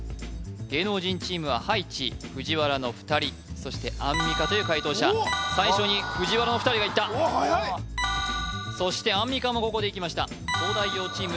芸能人チームは葉一ＦＵＪＩＷＡＲＡの２人そしてアンミカという解答者最初にＦＵＪＩＷＡＲＡのお二人がいったそしてアンミカもここでいきました東大王チーム